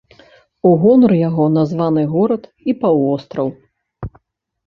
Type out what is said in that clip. У гонар яго названы горад і паўвостраў.